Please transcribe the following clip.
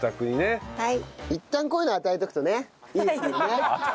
いったんこういうの与えておくとねいいですもんね。